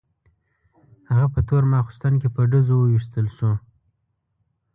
هغه په تور ماخستن کې په ډزو وویشتل شو.